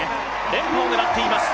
連覇を狙っています